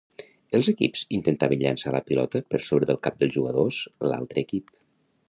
Els equips intentaven llançar la pilota per sobre del cap dels jugadors l'altre equip.